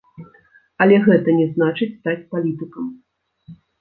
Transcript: Але гэта не значыць стаць палітыкам.